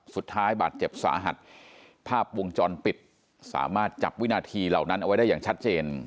สุดท้ายบาดเจ็บสาหัสภาพวงจรปิดสามารถจับวินาทีเหล่านั้นเอาไว้ได้อย่างชัดเจน